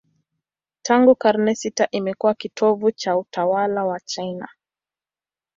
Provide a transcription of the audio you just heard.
Tangu karne sita imekuwa kitovu cha utawala wa China.